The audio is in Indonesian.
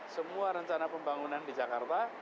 semua rencana pembangunan di jakarta